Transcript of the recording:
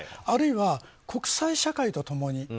あるいは国際社会と共に。